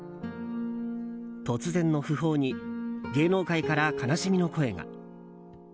突然の訃報に芸能界から悲しみの声が。